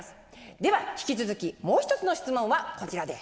では引き続きもう一つの質問はこちらです。